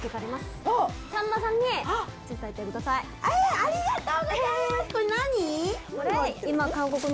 ありがとうございます！